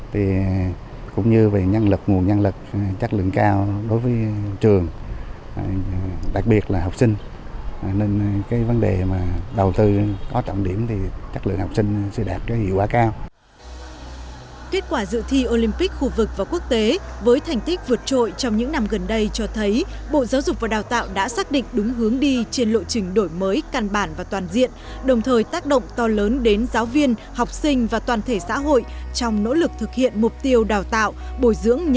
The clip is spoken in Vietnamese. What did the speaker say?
về vận lối dài hiện nay thì quỹ bán huyện cũng đã lập báo cáo đầu tư để xin tỉnh hỗ trợ kinh phí để nâng cấp một số đường